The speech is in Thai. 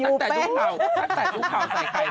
กูตั้งแต่ดูข่าวใส่ใครบ้าง